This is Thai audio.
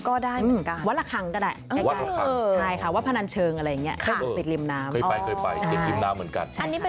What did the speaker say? ใช่ค่ะวัดที่อยู่ติดริมน้ำ